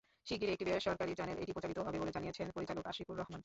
শিগগিরই একটি বেসরকারি চ্যানেলে এটি প্রচারিত হবে বলে জানিয়েছেন পরিচালক আশিকুর রহমান।